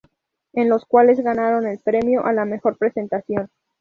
En los cuales ganaron el premio a la mejor presentación.